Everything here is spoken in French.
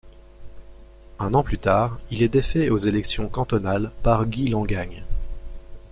Un an plus tard, il est défait aux élections cantonales par Guy Lengagne.